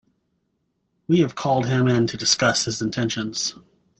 We have called him in to discuss his intentions.